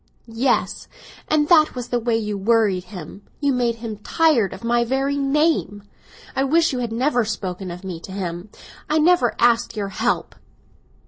"Yes; and that was the way you worried him; you made him tired of my very name! I wish you had never spoken of me to him; I never asked your help!"